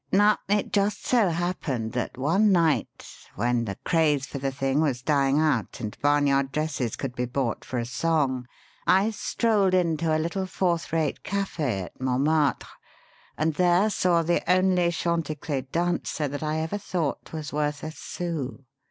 Now, it just so happened that one night when the craze for the thing was dying out and barnyard dresses could be bought for a song I strolled into a little fourth rate café at Montmarte and there saw the only Chanticler dancer that I ever thought was worth a sou.